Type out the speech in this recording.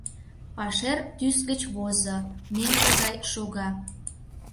Пашер тӱс гыч возо, меҥге гай шога.